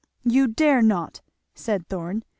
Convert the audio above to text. "You dare not!" said Thorn.